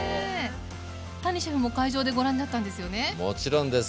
谷シェフも会場でご覧になったんですよね？もちろんです。